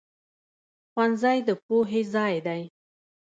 ښوونځی د پوهې ځای دی